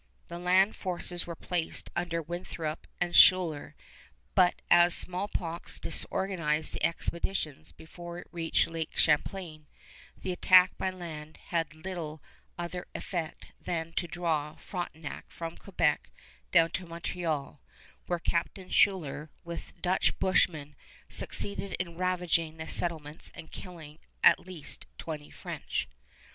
The land forces were placed under Winthrop and Schuyler; but as smallpox disorganized the expedition before it reached Lake Champlain, the attack by land had little other effect than to draw Frontenac from Quebec down to Montreal, where Captain Schuyler, with Dutch bushmen, succeeded in ravaging the settlements and killing at least twenty French.